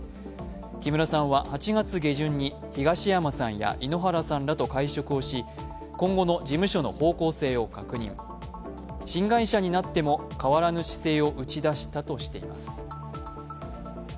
木村さんは８月下旬に東山さんや井ノ原さんらと会食をし今後の事務所の方向性を確認新会社になっても変わらぬ姿勢を打ち出したとしています。